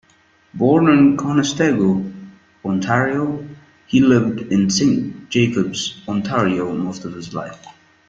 Born in Conestogo, Ontario, he lived in Saint Jacobs, Ontario most of his life.